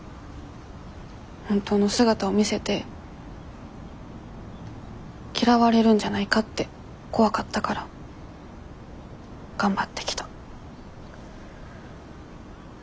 本当の姿を見せて嫌われるんじゃないかって怖かったから頑張ってきた。